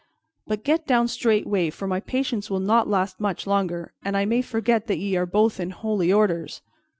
But get down straightway, for my patience will not last much longer, and I may forget that ye are both in holy orders."